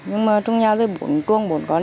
nhưng mà trong nhà tôi bốn con